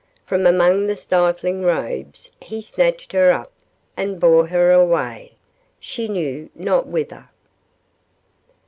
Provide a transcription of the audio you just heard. From among the stifling robes he snatched her up and bore her away, she knew not whither.